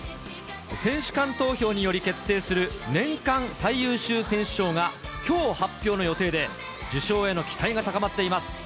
選手間投票により決定する年間最優秀選手賞がきょう発表の予定で、受賞への期待が高まっています。